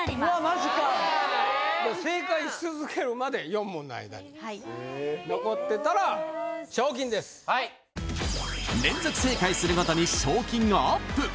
マジかやだ正解し続けるまで４問の間・厳しいえっ残ってたら賞金です連続正解するごとに賞金がアップ